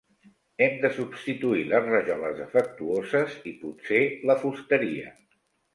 Hem de substituir les rajoles defectuoses, i potser la fusteria.